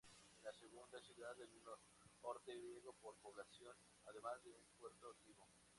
Es la segunda ciudad del norte griego por población, además de un puerto activo.